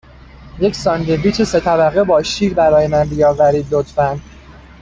یک ساندویچ سه طبقه با شیر برای من بیاورید، لطفاً.